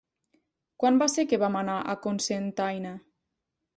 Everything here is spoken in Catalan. Quan va ser que vam anar a Cocentaina?